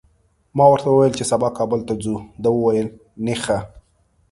ما ورته وویل چي سبا کابل ته ځو، ده وویل نېخه!